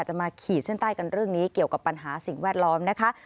มาขีดเส้นใต้กันเรื่องนี้เกี่ยวกับปัญหาสิ่งแวดล้อมนะคะ